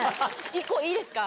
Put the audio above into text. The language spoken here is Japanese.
１個いいですか？